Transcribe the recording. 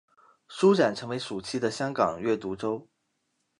书展成为暑期的香港阅读周。